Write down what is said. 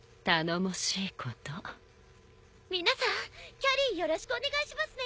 キャリーよろしくお願いしますね。